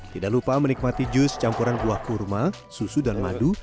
tidak lupa menikmati jus campuran buah kurma susu dan madu